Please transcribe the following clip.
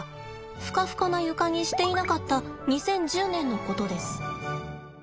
フカフカな床にしていなかった２０１０年のことです。